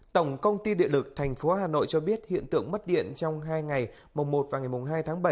tổng công ty địa lực thành phố hà nội cho biết hiện tượng mất điện trong hai ngày mùng một và ngày mùng hai tháng bảy